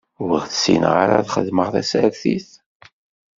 Ur ssineɣ ara ad xedmeɣ tasertit.